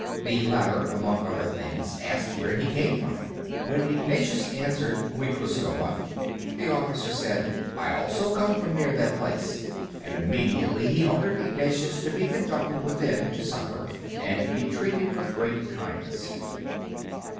The latter, among other things, asked where he came from. When Ignatius answered, "Guipuscoa," the officer said, "I also come from near that place;" and immediately he ordered Ignatius to be conducted within to supper and to be treated with great kindness.